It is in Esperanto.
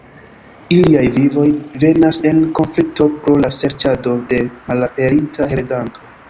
Iliaj vivoj venas en konflikto pro la serĉado de malaperinta heredanto.